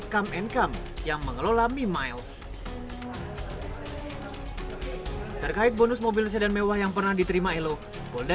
come and come yang mengelola mimiles terkait bonus mobil sedan mewah yang pernah diterima elo polda